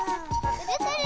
くるくる！